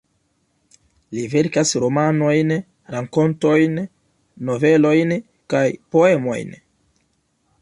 Li verkas romanojn, rakontojn, novelojn kaj poemojn.